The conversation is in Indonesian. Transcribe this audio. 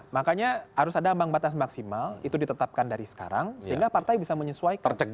makanya harus ada ambang batas maksimal itu ditetapkan dari sekarang sehingga partai bisa menyesuaikan